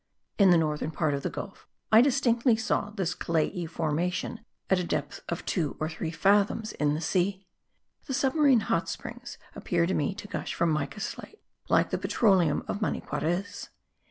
In the northern part of the gulf I distinctly saw this clayey formation at the depth of two or three fathoms in the sea. The submarine hot springs appeared to me to gush from mica slate like the petroleum of Maniquarez.